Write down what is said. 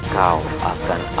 kau akan berhenti